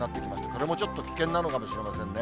これもちょっと危険なのかもしれませんね。